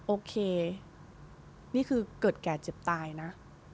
โอเคนี่คือเกิดแก่เจ็บตายนะ